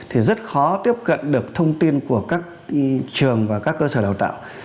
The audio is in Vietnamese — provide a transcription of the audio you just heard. thì rất khó tiếp cận được thông tin của các trường và các cơ sở đào tạo